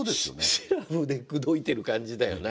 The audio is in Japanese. しらふで口説いてる感じだよね。